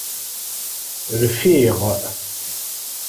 Rfiɣ.